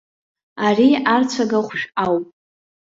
Ари арцәагахәшә ауп.